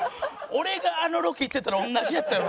俺があのロケ行ってたら同じやったやろうなと。